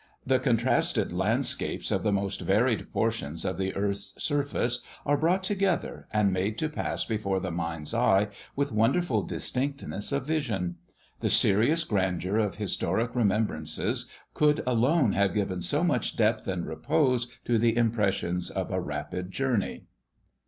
The contrasted landscapes of the most varied portions of the earth's surface are brought together, and made to pass before the mind's eye with wonderful distinctness of vision: the serious grandeur of historic remembrances could alone have given so much depth and repose to the impressions of a rapid journey."